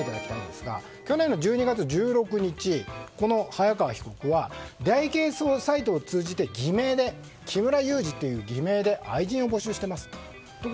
去年の１２月１６日、早川被告は出会い系サイトを通じて木村裕二という偽名で愛人を募集してますと。